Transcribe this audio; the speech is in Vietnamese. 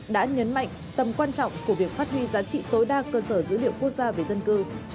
đã nhấn mạnh tầm quan trọng của việc phát huy giá trị tối đa cơ sở dữ liệu quốc gia về dân cư